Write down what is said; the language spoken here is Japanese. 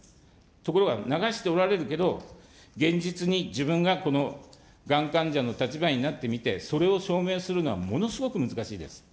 ところが流しておられるけど、現実に自分ががん患者の立場になってみて、それを証明するのはものすごく難しいです。